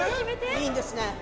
いいんですね？